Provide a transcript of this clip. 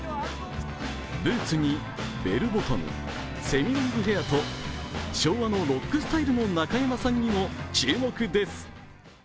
ブーツにベルボトム、セミロングヘアと昭和のロックスタイルの中山さんにも注目です。